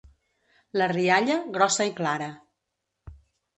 La rialla, grossa i clara.